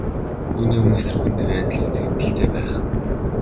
Юуны өмнө эсрэг хүнтэйгээ адил сэтгэгдэлтэй байх.